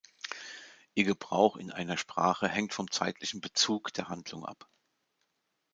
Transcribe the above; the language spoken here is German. Ihr Gebrauch in einer Sprache hängt vom zeitlichen Bezug der Handlung ab.